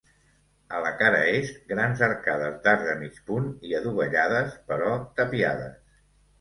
A la cara est, grans arcades d'arc de mig punt i adovellades, però tapiades.